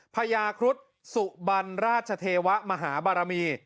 พญาครุฑสุบันราชเทวะมหาบารมี